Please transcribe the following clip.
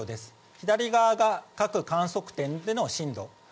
左側が各観測点での震度。